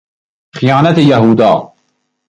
خیانت یهودا